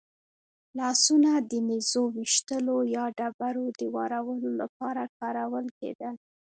لاسونه د نېزو ویشتلو یا ډبرو د وارولو لپاره کارول کېدل.